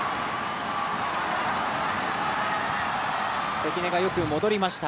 関根がよく戻りました。